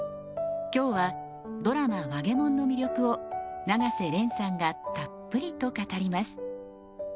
今日はドラマ「わげもん」の魅力を永瀬廉さんがたっぷりと語ります。